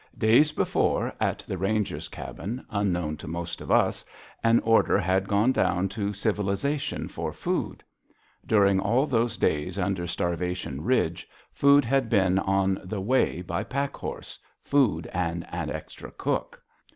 Days before, at the ranger's cabin, unknown to most of us, an order had gone down to civilization for food. During all those days under Starvation Ridge, food had been on the way by pack horse food and an extra cook.